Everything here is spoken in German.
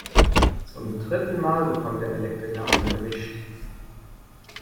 Zum dritten Mal bekommt der Elektriker eine gewischt.